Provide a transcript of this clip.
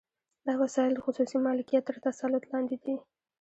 دا وسایل د خصوصي مالکیت تر تسلط لاندې دي